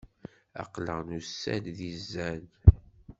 Aql-aɣ nusa-d di zzan.